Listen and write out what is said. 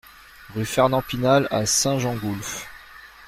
Rue Fernand Pinal à Saint-Gengoulph